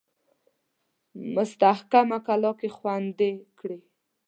مستحکمه کلا کې خوندې کړي.